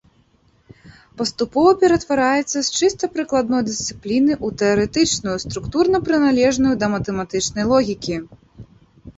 Паступова ператвараецца з чыста прыкладной дысцыпліны ў тэарэтычную, структурна прыналежную да матэматычнай логікі.